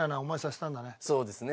そうですね。